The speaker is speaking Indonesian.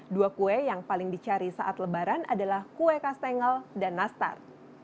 dua kue yang paling dicari saat lebaran adalah kue kastengel dan nastar